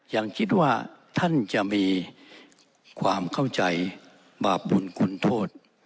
ยังคิดว่าท่านจะมีความเข้าใจบาปบุญคุณโทษ